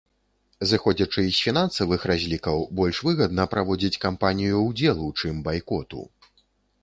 Зыходзячы з фінансавых разлікаў, больш выгодна праводзіць кампанію ўдзелу, чым байкоту.